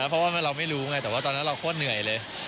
เพราะว่าเราไม่รู้ไงแต่ว่าตอนนั้นเราก็เหนื่อยเลย